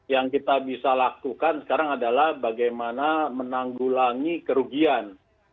yang kita bisa lakukan sekarang adalah bagaimana menanggulangi kerugian